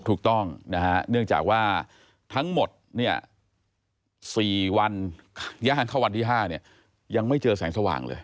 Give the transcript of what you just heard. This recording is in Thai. ถูกต้องนะฮะเนื่องจากว่าทั้งหมดเนี่ย๔วันย่างเข้าวันที่๕เนี่ยยังไม่เจอแสงสว่างเลย